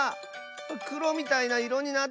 くろみたいないろになった！